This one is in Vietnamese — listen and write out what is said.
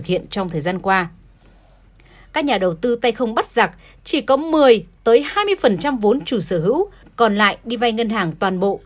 các nhà đầu tư tay không bắt giặc chỉ có một mươi hai mươi vốn chủ sở hữu còn lại đi vay ngân hàng toàn bộ